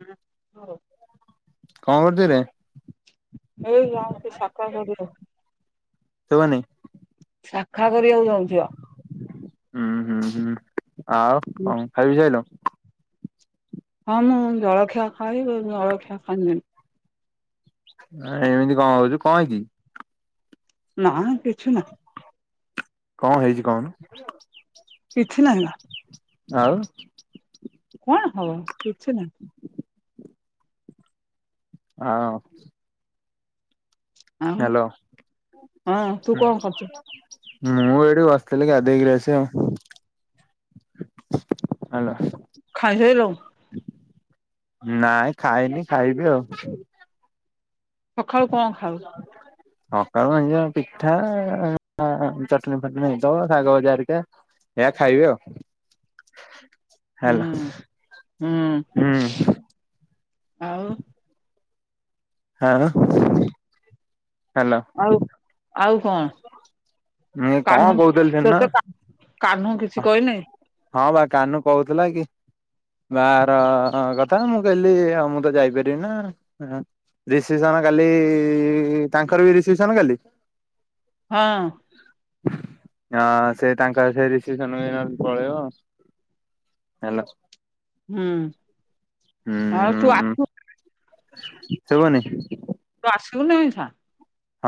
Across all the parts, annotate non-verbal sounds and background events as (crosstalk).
ଏଇ କଣ କରୁଥିଲେ? ଏଇ ଯାଉଛି ସାଖା କରିବାକୁ। ଶୁଭନି ସାଖା କରିବାକୁ ଯାଉ ହୁଁ ହୁଁ ହୁଁ ଆଉ କଣ ଖାଇ ପିଇ ସାଇଲ? ହଁ ମୁଁ ଜଳଖିଆ ଖାଇବି ଜଳଖିଆ ଖାଇ ଥିଲି। ଏମିତି କଣ ହଉଛୁ କଣ ହେଇଛି କି? ନାଇଁ କିଛି ନା। କଣ ହେଇଛି କହୁନୁ? କିଛି ନାହିଁ ବା। ଆଉ? କଣ ହବ କିଛି ନା। ଆ ହଁ ଆଉ ହ୍ୟାଲୋ ହଁ ତୁ କଣ କରୁଛୁ? ମୁଁ ଏଇଠି ବସିଥିଲି ଗାଧେଇ କିରି ଆସି ଆଉ ହ୍ୟାଲୋ ଖାଇ ସାରିଲୁ? ନାଇଁ ଖାଇନି ଖାଇବି ଆଉ। ସଖାଳୁ କଣ ଖାଉ? ସକାଳୁ ଏଇ ଜଉ ପିଠା ଚଟଣି ଫଟଣି ହେଇଥିବ ଶାଗ ଭଜା ହେରିକା ଏଇଆ ଖାଇବି ଆଉ। ହୁଁ ହ୍ୟାଲୋ ହୁଁ ହୁଁ ଆଉ ଆଉ ହାଲୋ। ଆଉ ଆଉ କଣ? କଣ କାହ୍ନୁ କହୁଥିଲି ସେଦିନ ତତେ କା କାହ୍ନୁ କିଛି କହିନି। ହଁ ବା କାହ୍ନୁ କହୁଥିଲା କି ବାହାଘର କଥା ମୁଁ କହିଲି ଆଉ ମୁଁ ତ ଯାଇପାରିବି ନା ଆଁ। ରିସିପସନ କାଲି ତାଙ୍କର ବି ରିସିପସନ କାଲି? ହଁ। ହଁ ସେ ତାଙ୍କର ସେ ରିସିପସନ ନହଲେ ପଳେଇବ। ହାଲୋ। ହୁଁ ହଁ ତୁ ହୁଁ ଆକୁ ଶୁଭୁନି ତୁ ଆସିବୁନି (unintelligible)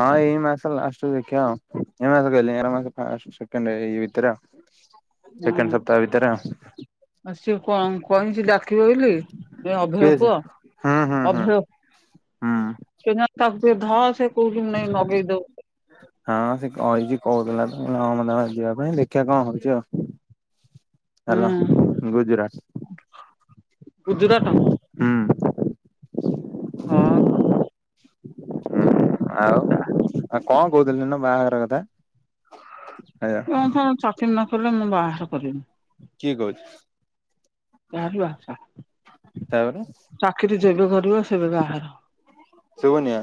ହଁ ଏଇ ମାସ ଲାଷ୍ଟ କୁ ଦେଖିଆ ଆଉ ଏଇ ମାସ କହିଲେ ଆର ମାସ ଫାର୍ଷ୍ଟ ସେକେଣ୍ଡ ଏଇ ଭିତରେ ଆଉ। ସେକେଣ୍ଡ ସପ୍ତାହ ଭିତରେ ଆଉ। ଆ ସିଏ କଣ କହିଛି ଡାକିବ ବୋଲି ଏ ଅଭୟ କିଏ ସେ? ପୁଅ ହୁଁ ହୁଁ ହୁଁ ଅଭୟ? ହୁଁ। କେଜାଣି ତାକୁ ଟିକେ ଧ ସେ କଉଠି ନେଇ ନଗେଇ ଦଉ। ହଁ ସେ କହିଛି କହୁଥିଲା ତ ମୁ କହିଲି ମତେ ଯିବା ପାଇଁ ହୁଁ ଦେଖିବା କଣ ହଉଛି ଆଉ? ହାଲୋ ଗୁଜୁରାଟ ହୁଁ। ହଁ ହଁ। ଆଉ ଆଉ କଣ କହୁଥିଲୁ ସେଦିନ ବାହାଘର କଥା? (unintelligible) ଚାକିରି ନ କଲେ ମୁଁ ବାହାଘର କରିବିନି। କିଏ କହୁଚି? ଆରେ ବାପା। ତାପରେ ଯେବେ କରିବ ସେବେ ବାହାଘର। ଶୁଭୁନିଆ।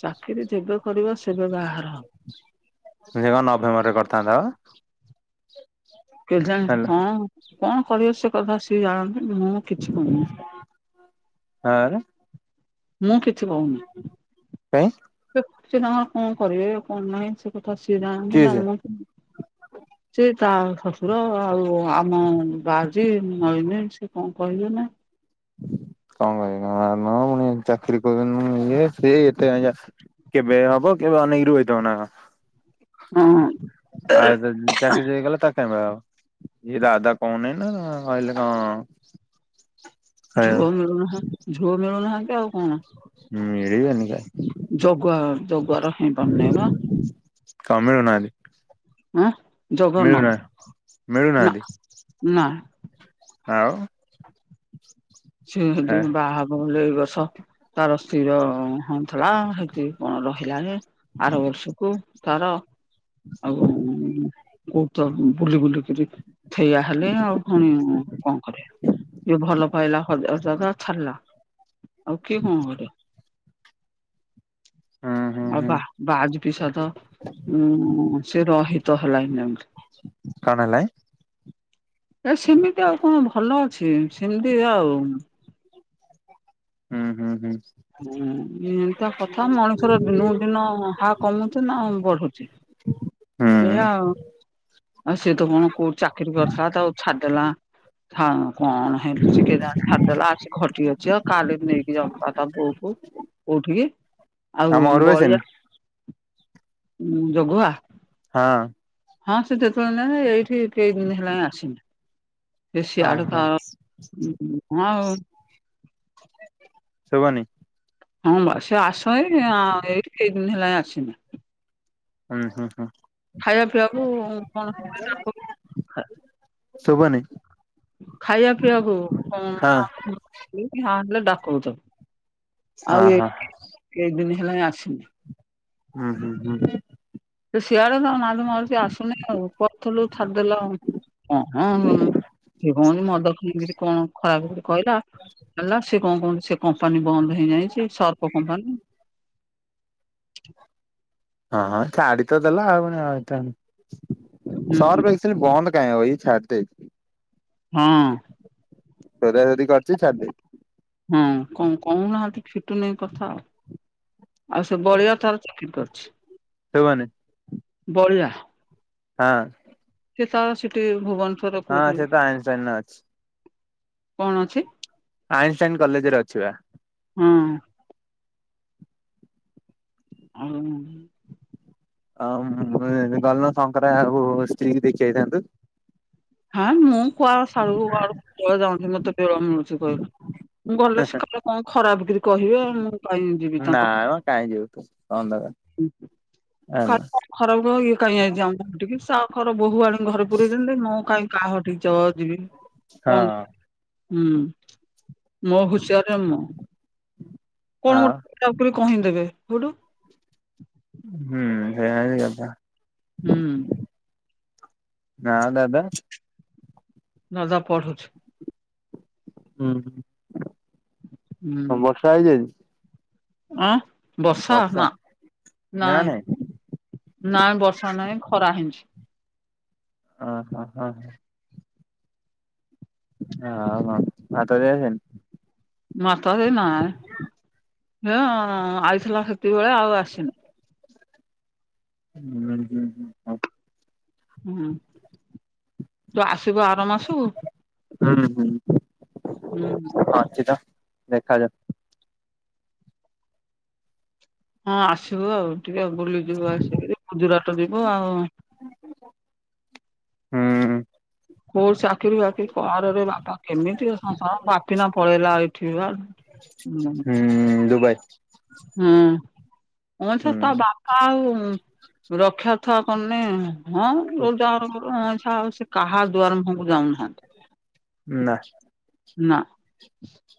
ଚାକିରି ଯେବେ କରିବ ସେବେ ବାହାଘର ହବ। ସେ କଣ ନଭେମ୍ବର ରେ କରିଥାନ୍ତା ପା। କେଜାଣି କଣ କଣ କରିବ ସେ କଥା ସିଏ ଜାଣ ନାଁ କିଛି କରନି। ତାପରେ ମୁଁ କିଛି କହୁନି କାଇଁ ସେ ତାଙ୍କର କଣ କରିବେ କଣ ନାହିଁ ସେ ତ ସିଏ ଯାଣନ୍ତି କିଏ ନା ସେ ମୁଁ ସେ ତା ଶଶୁର ଆଉ ଆ ମୁଁ ବାଜି ନଇନି ସେ କଣ କହିଲେ ନା। କଣ କହିନ ଆମ୍ ପୁଣି ଚାକିରି କରନ ଇଏ ସେ ଏତେ (unintelligible) କେବେ ହବ? କିଏ ଅନେଇଥିବ ନା କଣ? ହଁ ଆଉ ଡାକି ଦେଇଗଲା ତା ଆଉ ଏ ରାଧା କହୁନି ନା କହିଲେ କଣ? ଝୁଅ ମିଳୁ ନାହାନ୍ତି ଝୁଅ ମିଳୁନାହା ହୁଁ ମିଳିବେନି କାହିଁକି। ଜଗୁଆ ଜଗୁଆ ର ହେଇ ପାରୁନାହିଁ ପା। କ ଆଁ ମିଳୁନାହାନ୍ତି। ଜଗନର ମିଳୁନା ନା ମିଳୁନାହାନ୍ତି। ନା ଆଉ। ସେ ହେ ଯଦି ବାହାହବ ହେଲେ ଏଇ ବର୍ଷ ତାର ସ୍ଥିର ନାହା ଥିଲା ହେଇଠି କଣ ରହିଲାନି ଆର ବର୍ଷକୁ ତାର। ଆଉ କୋଉଠି ତ ବୁଲି ବୁଲିିକିରି। ଥେଇଆ ହେଲେ ଆଉ ପୁଣି କଣ କରିବା ଯଉ ଭଲ ପାଇଲା ହଜାର ଜାଗା ଛାଡିଲା। ଆଉ କିଏ କଣ କରିବ? ହଁ। ଆଉ ବା ବାଜ ବିିଷ ତ। ହୁଁ ସେ ରହିତ ହେଲା ନି କଣ ହେଲା। ଏ ସେମିତି ଆଉ କଣ ଭଲ ଅଛି ସେ ସେ ଆଉ ହୁଁ ହୁଁ ହୁଁ। ହୁଁ ଏଇତ କଥା ମଣିଷର ଦିନକୁ ଦିନ ହା କମୁଛି ନା ବଢୁଛି। ହୁଁ ଏଇଆ ଆଉ ସିଏ ତ କଣ କୋଉଠି ଚାକିରି କରିଥିଲା ତା ଛା ଲା ହଁ। କଣ ହେଲିଛି କେଜାଣି ଛାଡିଦେଲା ଆସି ଘଟି ଅଛି ଆଉ କାଲି ନେଇକି ଯାଉଛ ତା ବୋଉ କୁ। କୋଉଠିକି ଆଉ ଆମ ଘରକୁ ଆସିନି ବଳିଆ ଜଘୁଆ। ହଁ। ହଁ ସେ ଯେତେବେଳେ ନାଇଁ ଏଇଠି କେ ଦିନ ହେଲାଣି ଆସିନି। ବେଶିଆଡ ଓହୋ ତ ଆଉ। ଶୁଭୁନି। ହଁ ବା ସେ ଆସ ଏ ଏ ସେଇ ଦିନ ହେଲା ଆସିନି। ହୁଁ ହୁଁ ହୁଁ। ଖାଇବା ପିଇବାକୁ କଣ? ଶୁଭୁ ନି। ଖାଇବା ପିଇବାକୁ ହଁ ହ ହେଲେ ଡାକଉ ହଁ ଆଉ ଏ ହଁ କ ଦିନ ହେଲେଣି ଆସିନି। ହୁଁ ହୁଁ ହୁଁ। ସିଆଡ଼େ ତ ନାଜ ମାଡ଼ୁଚି ଆସୁନେଇ ଆଉ ପଡ଼ଥୁଲୁ ଛାଡିଦେଲା ଆଉ ଅଁ ହଁ। ସିଏ କଁ ତି ମଦ ପିଇକିରି କଣ ଖରାପ କରି କହିଲା ହେଲା ସିଏ କଣ କହନ୍ତି ସେ କମ୍ପାନୀ ବନ୍ଦ ହେ ଯାଇଚି ସର୍ପ କମ୍ପାନୀ। ହଁ ହଁ ଛାଡ଼ି ତ ଦେଲା ଆଉ ପୁଣି ଅଇଥାନ୍ ହୁଁ ହୁଁ ସର୍ଫ ଏକ୍ସେଲ୍ ବନ୍ଦ କାଇଁ ହବ ଇଏ ଛାଡ଼ି ଦେଇଚି। ହଁ। ସୋଧି କରିଛି ଛାଡି ଦେଇଛି ହୁଁ କଁ କୋଉନାହାନ୍ତି ଫିଟୁନେଇ କଥା ଆଉ। ଆଉ ସେ ବଳିଆ ତାର ଚାକିରି କରଚି। ଶୁବୁନି। ବଳିଆ। ହଁ। ସିଏ ତ ସେଠି ଭୁବନ୍ ହଁ ସିଏ ତ ଆଇନଷ୍ଟାଇନରେ ଅଛି। କଣ ଅଛି? ଆଇନଷ୍ଟାଇନ କଲେଜେରେ ଅଛି ବା। ହଁ। ଆଉ ଆଉ ମୁଁ ଏ ଗଲୁନୁ ଶଙ୍କରା ଆଉ ସ୍ତ୍ରୀ ଦେଖିଆଇଥାନ୍ତୁ। ହଁ ମୁଁ କୁଆ ସାରୁଗୁ ଆଡ଼ୁ କୁଆ ଯାଉଚି ମତେ ବେଳ ମିଳୁଚି କହିଲୁ। ମୁଁ ଗଲେ ସେ କାଲେ କଁ ଖରାପ କିରି କହିବେ ମୁଁ କାଇଁ ଯିବି ନା ତାଙ୍କ ମ କାଇଁ ଯିବୁ ତୁ ହଁ ଦାବା। କାର କଣ ଖରାପ ଗୁ ଇଏ କାଇଁ ଆଇଚି ଆମ ହଟିକି ସା ଖର ବୋହୂ ଆଣି ଘରେ ପୁରେଇଚନ୍ତି ମୁଁ ଆ ହଟିକି ଚ ଯିବି କଣ ହୁଁ ମୋ ହୁସିଆରରେ ମୁଁ। କଣ ଆଉ ଗୋଟେ ତା ଉପରେ କହିଦେବେ ହୋଠୁ? ହୁଁ ସେଇଆ ହିଁ କଥା। ହୁଁ। ଦା ଦଦା? ଦାଦା ପଢ଼ୁଛି। ଉଁ ହଁ ହୁଁ ବର୍ଷା ହେଇଚି ଆଜି? ଆଁ? ବର୍ଷା ନାଁ ନାଇଁ। ନାଇଁ ବର୍ଷା ନାଇଁ ଖରାହେଇଁଚି। ଅହ ହଁ ହଁ। ହଁ ହଁ ଭାତ ଦିଆସେନ୍ ମାତା ଦେ ନାଇଁ ହେ ଆଇଥିଲା ସେତିକି ବେଳେ ଆଉ ଆସିନି ଉଁ ହୁଁ ହୁଁ ହ। ହୁଁ ତୁ ଆସିବୁ ଆର ମାସୁକୁୁ? ହୁଁ ହୁଁ ଅଛି ତ ଦେଖାଯାଉ। ହଁ ଆସିବୁ ଆଉ। ଟିକେ ବୁଲିଯିବୁ ଆସିକିରି ଖୁଜୁରାଟ ଯିବୁ ଆଉ। ହୁଁ। କୋଉ ଚା କିରି ବାକି କରରେ ବାପା କେମିତି ଏ ସଂସାର ବାପିନ ପଳେଇଲା ଏଠି ବା। ଉଁ ହୁଁ ଦୁବାଇ। ହୁଁ କଣ ସେ ତା ହୁଁ ବାପା ଆଉ ରକ୍ଷା ଥୟ କରୁନେଇ। ହଁ ରୋଜଗାର କରୁ ଅଇଁଛା ଆଉ ସେ କାହା ଦୁଆର ମୁହଁକୁ ଯାଉନାହାନ୍ତି। ନାଁ। ନାଁ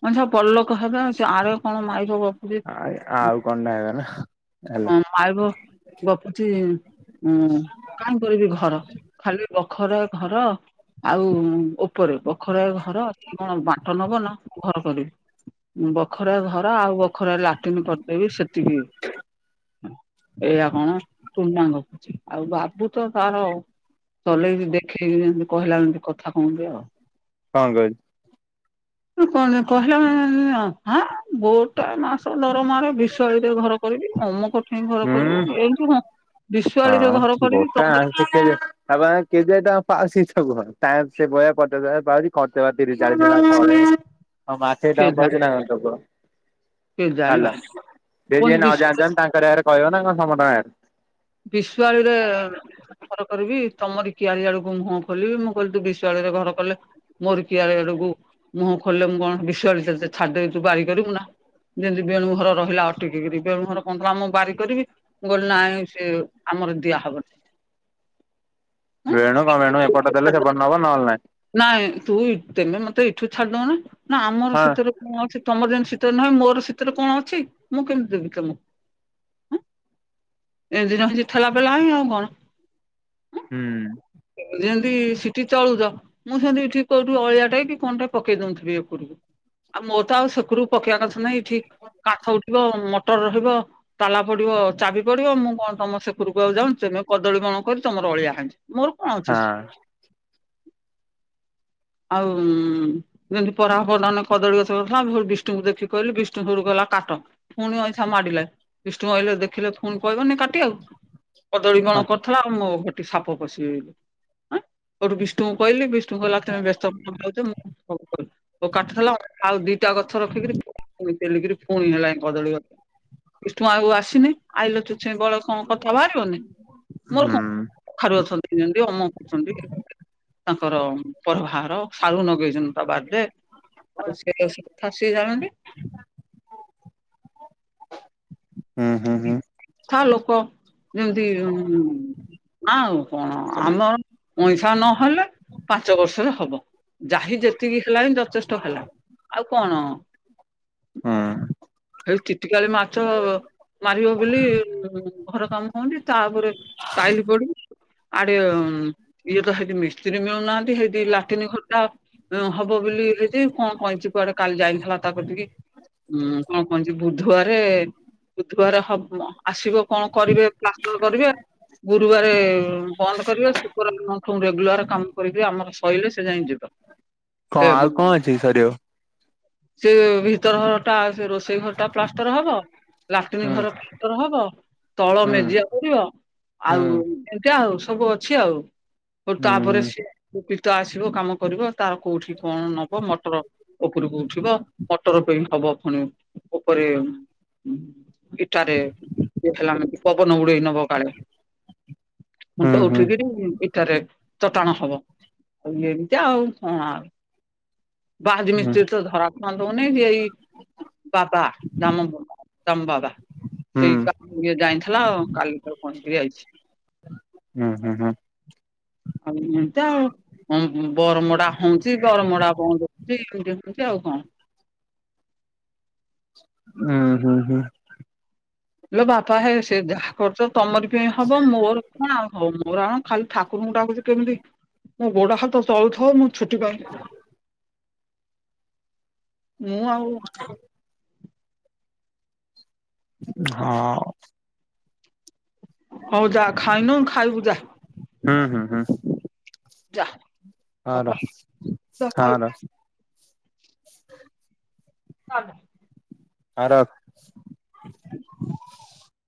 ମଣିଷ ବଡ଼ ଲୋକ ହେବେ ଆଉ ସେ ଆର କଣ ମାଇବ ଗପୁଚି ଆଉ କଣ ନା ହେଗ ନା ହେଲା ହଁ ମାଇବ ଗପୁଚି। ଉୁଁ କଣ କରିବି ଘର ଖାଲି ବଖରା ଘର। ଆଉ ଉପରେ ଵଖରା ଘର। ବାଟ ନବ ନା ଘର କରିବି ବଖରା ଘର ଆଉ ବଖରା ଲାଟିନ୍ କରିଦେବି ସେତିକି। ଏଇଆ କଣ ଟୁନା କଖୁଛି ଆଉ ବାବୁ ତ ତାର ଚଲେଇି ଦେଖେଇକି ଯେମତି କହିଲା ଯେମତି କଥା କହନ୍ତି ଆଉ। କଣ କହି କଣ କହିଲା ଆ ଗୋଟା ମାସ ଦରମାରେ ବିଶାଳରେ ଘର କ ରିବି ଅମକଠେଇ ଘର ହୁଁ କରିବି ଏମତି ହଁ ବିଶାଳିରେ ଘର ହଁ କରିବି ଗୋଟା ତମରି ଆ ଆ କେଜ ପାଉସ ସବହ ତାର ସେଭଳିଆ କଟକ ଜାଗାରେ ପାଉଚି ଖର୍ଚ୍ଚ ବାର୍ଚ୍ଚ ତିରିଶ ଚାଳିଶ (unintelligible) କଣ ମାଠିଏ ଟଙ୍କା କେ ପାଉଚି ନା କଣ ତୋ ପୁଅ। କେ ଜାଣିବା ହାଲ ସେ ଯିଏ କୁହନ୍ତି ନ ବିଶ୍ୱ ଜାଣିଛନ୍ତି ତାଙ୍କରି ଆଗରେ କହିବ ନା କଣ ସମସ୍ତଙ୍କ ଆଗରେ। ବିଶ୍ୱାଳୀରେ ଘର କରିବି। ତମର କିଆଳି ଆଡକୁ ମୁହଁ ଖୋଲିବି ମୁଁ କହଲିି ତୁ ବିଶୁାଳରେ ଘର କଲେ ମୋର କିଆଳି ଆଡକୁ ମୁହଁ ଖୋଲିଲେ ମୁ କଣ ବିଶ୍ୱାଳ ଛାଡ଼ିଦେବି ତୁ ବାରି କରିବୁ ନା। ଯିତି ବେଣୁଘର ରହିଲା ଅଟିକିକିରି ବେଣୁଘର କହୁଥିଲା ମୁଁ ବାରି କରିବି ମୁଁ କହିଲି ନାଇଁ ସେ ଆମର ଦିଆହବନି। ବେଣୁ କଣ ବେଣୁ ଏପଟେ ଦେେଲେ ଏଁ ସେପଟେ ନବ ନହେଲେ ନାଇଁ। ନାଇଁ ତୁ ତେମେ ମତେ ଏଠୁ ଛାଡି ଦଉନ ନା ଆମର ହଁ ସେତରେ କଣ ଅଛି? ତମର ଯେମିନି ସେଥିରେ ନୁହେଁ ମୋର ସେଥିରେ କଣ ଅଛି ମୁଁ କେମିତି ଦେବି ତମକୁଏଁ? ଏଇ ଦିନ ହିଁ ଠେଲା ପେଲା ହିଁ ଆଉ କଣ? ହୁଁ। ସିଟି ଚଳୁଛ। ମୁଁ ସେମିତି ଏଠି କୋଉଠୁ ଅଳିଆ ଟେ କି କଣଟେ ପକେଇ ଦଉଥିଲି ଏପଟକୁ ଆଉ ମୋ ତ ଆଉ ସେକରୁକୁ ପକେଇବା କଥା ନାଇଁ ଠିକ କାଠ ଉଠିବ ମଟର ରହିବ ତାଲା ପଡିବ ଚାବି ପଡିବ ମୁଁ କଣ ତମ ସେପରକୁ ଆଉ ଯାଉଛୁ ତେମେ କଦଳୀ ବଣ କରି ତମର ଅଳିଆ ହେଇଚି ମୋର କଣ ଅଛି ହଁ ସେଠି। ଆଉ ଯେମତି (unintelligible) କଦଳୀ ଗଛ ଉଠିଲା ବିଷ୍ଣୁଙ୍କୁ ଦେଖି କହିଲି ବିଷ୍ଣୁ ସେଉଠୁ ଗଲା କାଟ ପୁଣି ଅଇଁଛା ମାଡ଼ିଲା ବିଷ୍ଣୁ ଅଇଲେ ଦେଖିଲେ ପୁଣି କହିବନି କାଟିବାକୁ। କଦଳୀ ଵଣ ହଁ କରୁଥେଲା ଆଉ ମୋ ସାପ ପଶିକି ରହିବ ଆଂ ହେଟୁ ବିଷ୍ଣୁଙ୍କୁ କହିଲି ବିଷ୍ଣୁ କହିଲା ତମେ ବେ କାଟୁଥିଲା ଆଉ ଦିଟା ଗଛ ରଖିକିରି ପୁଣି ତେଲିକରି ପୁଣି ହେଲାଣି କଦଳୀ ଗଛ ବିଷ୍ଣୁ ଆଉ ଆସିନି। ଆଇଲାଠୁ ଛେଁ ବଳେ କଣ କଥା ବାହାରିବନି। ମୋର କଣ ହୁଁ ପାଖରେ ଅଛନ୍ତି ଅମକ କରୁଛନ୍ତି। ତାଙ୍କର ପରବାହାର ସାରୁ ନଗେଇଛନ୍ତି ତା ବାରି। ଯେ ଆଉ ସେ କଥା ସେ ଜାଣନ୍ତି। ହୁଁ ହୁଁ ହୁଁ। ଥା ଲୋକ ଯେମିତି ଆଉ କଣ ଆମର। ପଇସା ନହେଲେ ପାଞ୍ଚ ବର୍ଷରେ ହବ। ଯାହି ଯେତିକି ହେଲାଣି ଯଥେଷ୍ଟ ହେଲାଣି ଆଉ କଣ? ହୁଁ। ଏଇ ତିତିକାଳି ମାଛ ମାରିବ ବୋଲି ଘର କାମ ହଉନି ତାପରେ ଟାଇଲି ପଡୁନି। ଆଡେ ଇଏ ତ ହେଇଠି ମିସ୍ତ୍ରୀ ମିଳୁନାହାନ୍ତି ହେଇଠି ଲାଟିନ ଘରଟା ହବ ବୋଲି କଣ କଇଁଚି କୁଆଡେ କାଲି ଯାଇଲା ତା କତିକି ଉଁ କଣ କଇଁଚି ବୁଧୁବାରେ। ବୁଧୁବାରେ ହବ ଆସିବ କଣ କରିବେ ପ୍ଳାଷ୍ଟର କରିବେ। ଗୁରୁବାର ବନ୍ଦ କରିବେ ଶୁକ୍ରବାରଠୁ ରେଗୁଲାର କାମ କରିକି ଆମର ଶଇଲେ ସେ ଯାଇ ଯିବେ। କଣ ଆଉ କଣ ଅଛି କି ସରିବ? ସେ ଭିତର ଘର ଟା ସେ ରୋଷେଇ ଘର ଟା ପ୍ଲାଷ୍ଟର ହବ। ଲାଟିନ ହୁଁ ଘର ପ୍ଲାଷ୍ଟର ହବ ତଳ ହୁଁ ମେଜିଆ ପଡ଼ିବ ଆଉ ହୁଁ। ଏମିତିଆ ଆଉ। ସବୁ ଅଛି ଆଉ ହେଟୁ ହୁଁ ହୁଁ ତାପରେ ସିଏ ତ ଆସିବ କାମ କରିବ ତାର କୋଉଠି କଣ ନବ ମଟର ଓପୁରୁକୁ ଠିବ ମଟର ପେଇଁ ହବ ପୁଣି ଓପରେ ଇଟାରେ ହେଲାମେ ପବନ ଉୁଡେଇ ନ ହବ କାଳେ ମୁଁ ହୁଁ ତ ହୁଁ ଉଠିକିରି ଏଠାରେ ଚଟାଣ ହବ ଏମିତିଆ କଣ ଆଉ କଣ ବାହାଦ ହୁଁ ମିସ୍ତ୍ରୀ ଧରା ଛୁଆଁ ଦଉନି ଏଇ ବାବା ଦାମ ବା ଦାମ ବାବା ସେଇ କା ହୁଁ ଏ ଯାଇଥିଲା ଆଉ କାଲି ତାକୁ କହିଁକିରି ଆଇଚି। ହୁଁ ହୁଁ ହୁଁ। ଆଉ ଏମତି ଆଉ ବରମଡା ହଉଁଚି ବରମଡା ବନ୍ଦ ହଉଁଚି ଏମିତି ହଉଛି ଆଉ। ହଁ। ହୁଁ ହୁଁ ହୁଁ। ଲୋ ବାପା ହେ ସେ ଯାହା କରୁଛ ତମର ପାଇଁ ହବ ମୋର କଣ ହଉ ମୋର ଆଣ ଖାଲି ଠାକୁରଙ୍କୁ ଡାକୁଛି କେମିତି ମୋ ଗୋଡ ହାତ ଚଳୁଥିବ ମୁଁ ଛୁଟି ପାଇ ମୁଁ ଆଉ ହଁ। ହଉ ଯା ଖାଇନଉଁ ଖାଇବୁ ଯା। ହୁଁ ହୁଁ ହୁଁ। ଯା ହଁ ର ବାପଲୋ ଯା ହଁ ର ହଁ ଖାଇବୁ। ଚାଲ ହଁ ରଖ